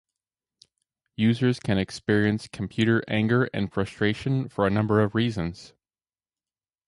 Users can experience computer anger and frustration for a number of reasons.